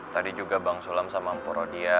tadi juga bang solam sama emporoh dia